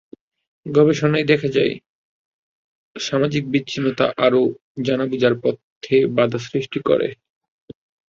গবেষণায় দেখা গেছে, সামাজিক বিচ্ছিন্নতা আরও জানা-বোঝার পথে বাধা সৃষ্টি করে।